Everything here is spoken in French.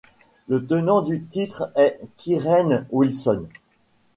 Le tenant du titre est Kyren Wilson.